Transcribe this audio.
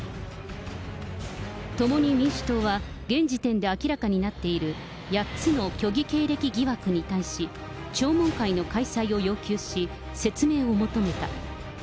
共に民主党は、現時点で明らかになっている８つの虚偽経歴疑惑に対し、聴聞会の開催を要求し、説明を求めた。